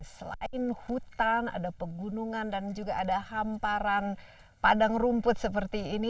selain hutan ada pegunungan dan juga ada hamparan padang rumput seperti ini